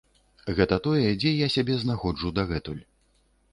Гэта тое, дзе я сябе знаходжу дагэтуль.